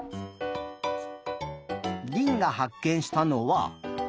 りんがはっけんしたのは。